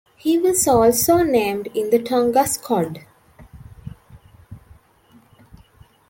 He was also named in the Tonga squad.